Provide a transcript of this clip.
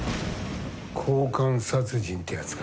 交換殺人ってやつか。